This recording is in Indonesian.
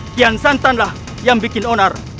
kian santanlah yang bikin onar